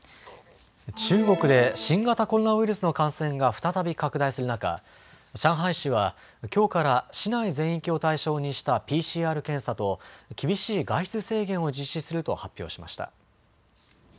中国で新型コロナウイルスの感染が再び拡大する中、上海市はきょうから市内全域を対象にしたＰＣＲ検査と厳しい外出制限を実施すると発表しました。